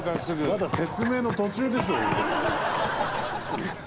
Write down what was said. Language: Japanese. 「まだ説明の途中でしょうが！」